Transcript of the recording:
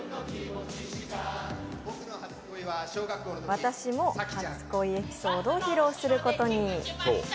私も初恋エピソードを披露することに。